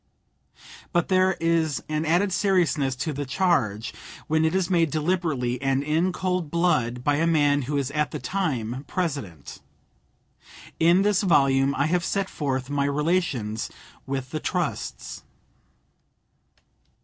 But there is an added seriousness to the charge when it is made deliberately and in cold blood by a man who is at the time President. In this volume I have set forth my relations with the trusts.